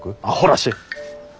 あほらしい！